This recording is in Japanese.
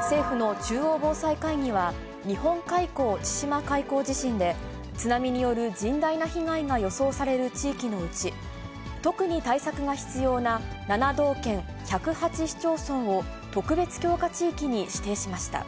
政府の中央防災会議は、日本海溝・千島海溝地震で、津波による甚大な被害が予想される地域のうち、特に対策が必要な７道県１０８市町村を、特別強化地域に指定しました。